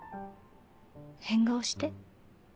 変顔して。